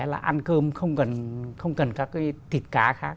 là ăn cơm không cần các cái thịt cá khác